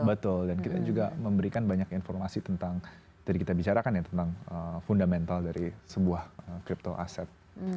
betul dan kita juga memberikan banyak informasi tentang tadi kita bicarakan ya tentang fundamental dari sebuah crypto aset